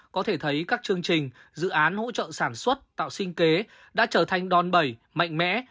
có thể thấy các chương trình dự án hỗ trợ sản xuất tạo sinh kế đã trở thành đòn bẩy mạnh mẽ